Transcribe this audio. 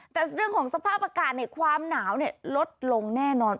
แต่เรื่องของสภาพอากาศความหนาวลดลงแน่นอน